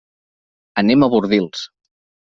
Anem a Bordils.